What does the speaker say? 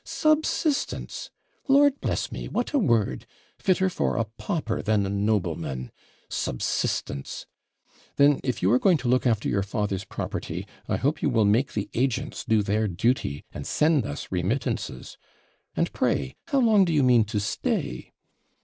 'Subsistence! Lord bless me, what a word! fitter for a pauper than a nobleman subsistence! Then, if you are going to look after your father's property, I hope you will make the agents do their duty, and send us remittances. And pray how long do you mean to stay?'